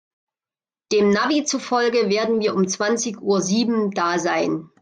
Dem Navi zufolge werden wir um zwanzig Uhr sieben da sein.